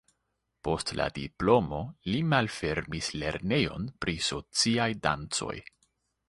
Post la diplomo li malfermis lernejon pri sociaj dancoj.